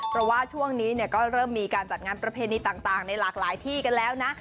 เพราะว่าช่วงนี้ก็เริ่มมีการจัดงานประเพณีต่างในหลากหลายที่กันแล้วนะ